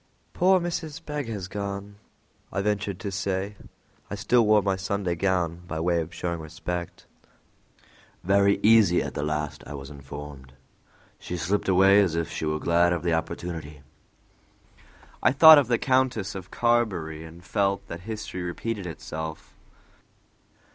"Poor Mrs. Begg has gone," I ventured to say. I still wore my Sunday gown by way of showing respect. "She has gone," said the captain, "very easy at the last, I was informed; she slipped away as if she were glad of the opportunity." I thought of the Countess of Carberry, and felt that history repeated itself.